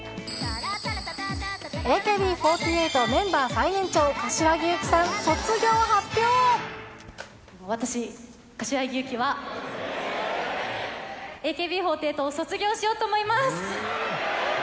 ＡＫＢ４８メンバー最年長、私、柏木由紀は、ＡＫＢ４８を卒業しようと思います。